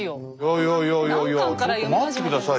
いやいやいやちょっと待って下さいよ。